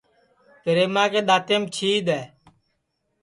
پِریما کے دؔانٚتینٚم چھِیدؔ ہے